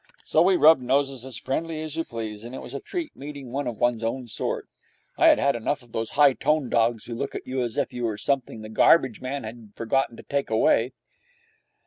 So we rubbed noses as friendly as you please. It was a treat meeting one of one's own sort. I had had enough of those high toned dogs who look at you as if you were something the garbage man had forgotten to take away.